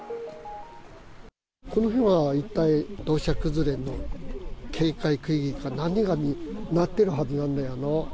この辺は一帯、土砂崩れの警戒区域か何かになってるはずなんだよな。